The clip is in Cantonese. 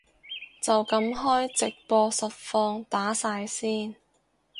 就噉開直播實況打晒先